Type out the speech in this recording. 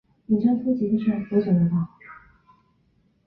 阿皮亚位于萨摩亚第二大岛乌波卢岛的北岸中部。